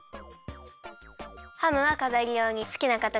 ハムはかざりようにすきなかたちに型ぬきしよう！